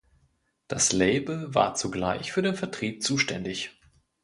Das Label war zugleich für den Vertrieb zuständig.